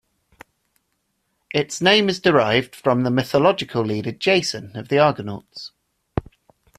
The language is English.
Its name is derived from the Mythological leader Jason of the Argonauts.